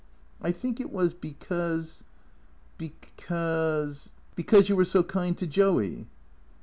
" I think it was because — because — because you were so kind to Joey."